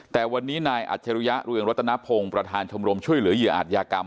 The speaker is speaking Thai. แต่วันนี้นายอัจฉริยะเรืองรัตนพงศ์ประธานชมรมช่วยเหลือเหยื่ออาจยากรรม